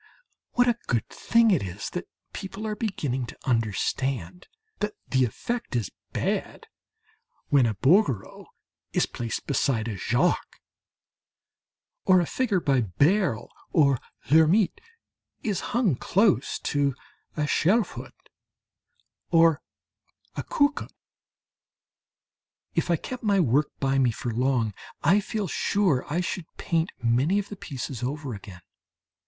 What a good thing it is that people are beginning to understand that the effect is bad when a Bouguereau is placed beside a Jacques, or a figure by Beyle or Lhermitte is hung close to a Schelfhout or a Koekkoek. If I kept my work by me for long, I feel sure I should paint many of the pieces over again.